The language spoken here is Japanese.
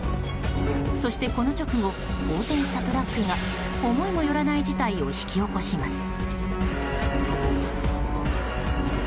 そして、この直後横転したトラックが思いもよらない事態を引き起こします。